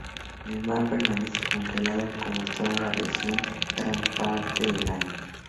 El mar permanece congelado, como toda la región, gran parte del año.